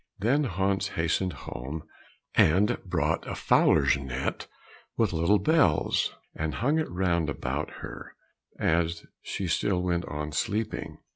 Then Hans hastened home and brought a fowler's net with little bells and hung it round about her, and she still went on sleeping.